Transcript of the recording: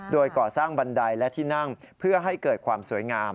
โดยก่อสร้างบันไดและที่นั่งเพื่อให้เกิดความสวยงาม